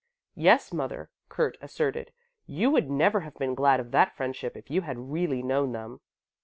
"Yes, mother," Kurt asserted, "you would never have been glad of that friendship if you had really known them.